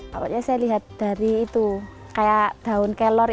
pokoknya saya lihat dari itu kayak daun kelor